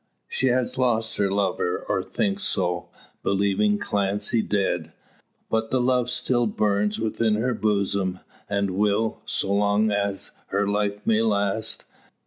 She has lost her lover, or thinks so, believing Clancy dead; but the love still burns within her bosom, and will, so long as her life may last.